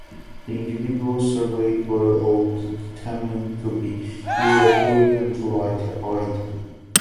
The individuals surveyed were all determined to be Europoid and light-eyed.